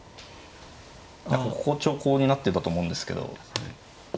何かここ長考になってたと思うんですけど。